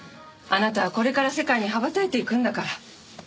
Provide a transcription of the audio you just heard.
あなたはこれから世界に羽ばたいていくんだから。